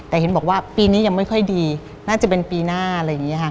แต่เห็นบอกว่าปีนี้ยังไม่ค่อยดีน่าจะเป็นปีหน้าอะไรอย่างนี้ค่ะ